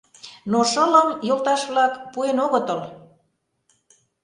Но шылым, йолташ-влак, пуэн огытыл.